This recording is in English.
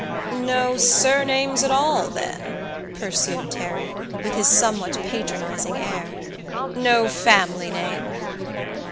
"No surnames at all then?" pursued Terry, with his somewhat patronizing air. "No family name?"